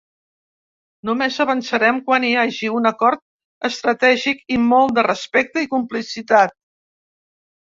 Només avançarem quan hi hagi un acord estratègic i molt de respecte i complicitat.